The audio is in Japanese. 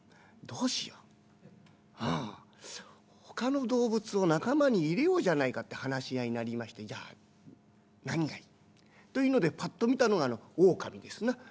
ほかの動物を仲間に入れようじゃないか」って話し合いになりまして「じゃあ何がいい？」というのでぱっと見たのがあの狼ですな。